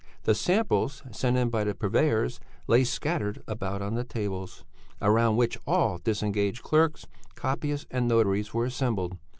The samples sent in by the purveyors lay scattered about on the tables, round which all disengaged clerks, copyists and notaries were assembled.